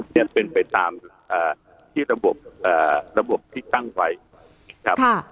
เนี่ยเป็นไปตามอ่าที่ระบบอ่าระบบที่ตั้งไว้ครับค่ะ